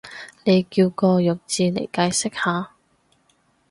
你叫個弱智嚟解釋下